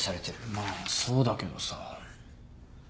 まぁそうだけどさ。